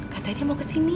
katanya mau kesini